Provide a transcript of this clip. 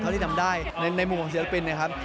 ที่ทำได้ในมุมของศิลปินนะครับ